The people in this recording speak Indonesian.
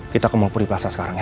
kita kemampu di plaza sekarang ya